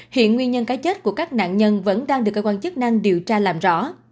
hiện nguyên nhân cái chết của các nạn nhân vẫn đang được cơ quan chức năng điều tra làm rõ